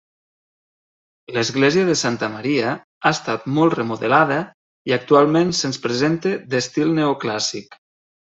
L'església de Santa Maria ha estat molt remodelada i actualment se'ns presenta d'estil neoclàssic.